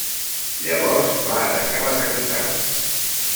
Llavors va atacar la capital.